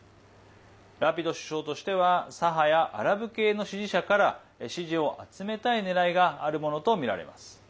ラピド首相としては左派やアラブ系の支持者から支持を集めたい狙いがあるものとみられます。